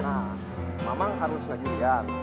nah mamang harus naik juriar